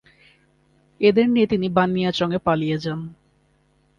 এদের নিয়ে তিনি বানিয়াচঙে পালিয়ে যান।